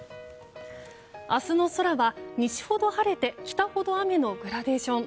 明日の空は西ほど晴れて北ほど雨のグラデーション。